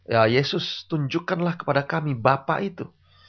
ya yesus tunjukkanlah kepada kami bapak itu